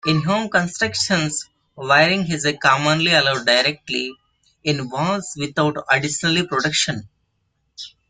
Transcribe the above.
In home construction, wiring is commonly allowed directly in walls without additional protection.